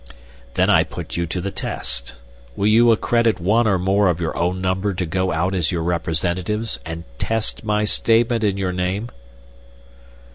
"Then I put you to the test. Will you accredit one or more of your own number to go out as your representatives and test my statement in your name?"